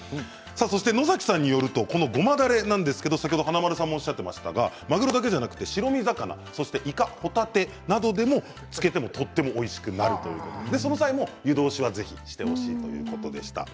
そして、野崎さんによるとこの、ごまだれなんですけど華丸さんも先ほどおっしゃっていましたがマグロだけじゃなく、白身魚、いか、ほたてなどを漬けてもとてもおいしくなるということでその際も湯通しはぜひしてほしいということでした。